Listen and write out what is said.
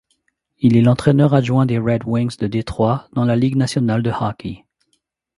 Il est l'entraîneur-adjoint des Red Wings de Détroit dans la Ligue nationale de hockey.